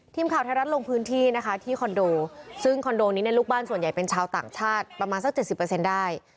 ทีมข่าวไทยรัฐลงพื้นที่นะคะที่คอนโดซึ่งคอนโดนี้เนี่ยลูกบ้านส่วนใหญ่เป็นชาวต่างชาติประมาณสัก๗๐ได้